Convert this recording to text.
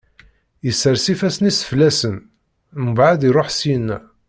Isers ifassen-is fell-asen, mbeɛd iṛuḥ syenna.